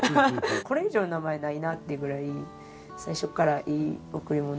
これ以上の名前ないなっていうぐらい最初からいい贈り物をもらって。